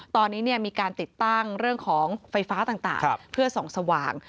ตอนนี้มีการติดตั้งเรื่องของไฟฟ้าต่างเพื่อส่องสว่าง